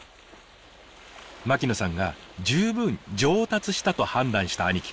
槙野さんが十分上達したと判断した兄貴。